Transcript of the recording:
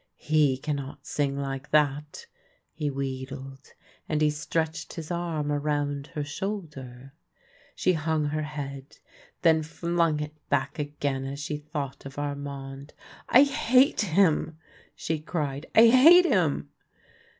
" He cannot sing like that," he wheedled, and he stretched his arm around her shoulder. She hung her head, then flung it back again as she thought of Armand. " I hate him !" she cried ;" I hate him